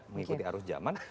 mengikuti arus zaman